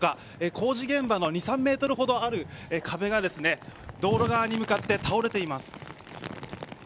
工事現場の２３ｍほどある壁が道路側に向かって倒れています。